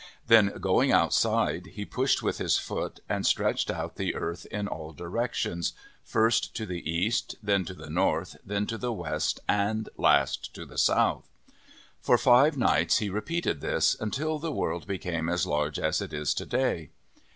Then, going outside, he pushed with his foot, and stretched out the earth in all directions, first to the east, then to the north, then to the west, and last to the south. For five nights he repeated this, until the world be came as large as it is to day.